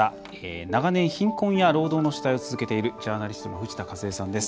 長年、貧困や労働の取材を続けているジャーナリストの藤田和恵さんです。